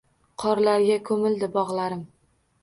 Qorlarga koʻmildi bogʻlarim